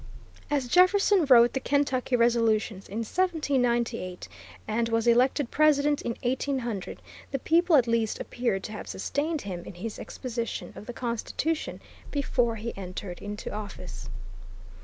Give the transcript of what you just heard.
As Jefferson wrote the Kentucky Resolutions in 1798 and was elected President in 1800, the people at least appeared to have sustained him in his exposition of the Constitution, before he entered into office.